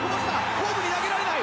ホームに投げられない。